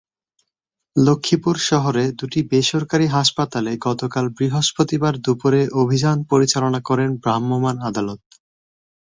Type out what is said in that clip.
লক্ষ্মীপুর শহরে দুটি বেসরকারি হাসপাতালে গতকাল বৃহস্পতিবার দুপুরে অভিযান পরিচালনা করেন ভ্রাম্যমাণ আদালত।